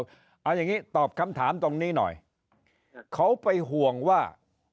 เอาอย่างนี้ตอบคำถามตรงนี้หน่อยเขาไปห่วงว่า